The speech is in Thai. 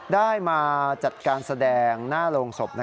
ได้มาจัดการแสดงหน้าโรงศพ